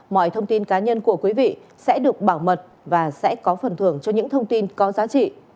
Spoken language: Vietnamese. mọi thông tin cá nhân của quý vị sẽ được bảo mật và sẽ có phần thưởng cho những thông tin có giá trị